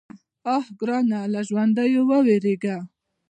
_اه ګرانه! له ژونديو ووېرېږه.